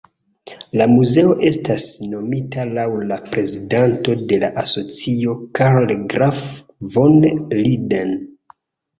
La muzeo estas nomita laŭ la prezidanto de la asocio Karl Graf von Linden.